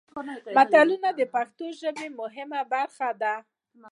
متلونه د پښتو ژبې یوه مهمه برخه ده